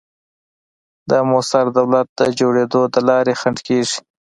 د موثر دولت د جوړېدو د لارې خنډ کېږي.